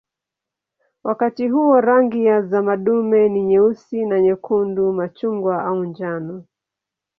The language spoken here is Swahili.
Wakati huo rangi za madume ni nyeusi na nyekundu, machungwa au njano.